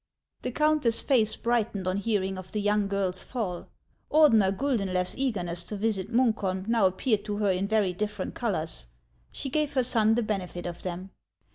The countess's face brightened on hearing of the young girl's fall. Ordener Guldenlew's eagerness to visit Munk holin now appeared to her in very different colors. She gave her son the benefit of them.